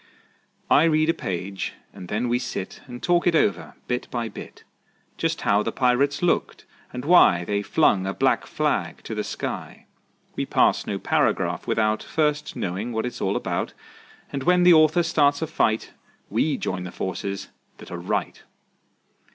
I read a page, and then we sit And talk it over, bit by bit; Just how the pirates looked, and why They flung a black flag to the sky. We pass no paragraph without First knowing what it's all about, And when the author starts a fight We join the forces that are right.